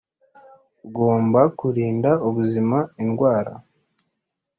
Ugomba kurinda ubuzima indwara